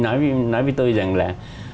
nói với tôi rằng là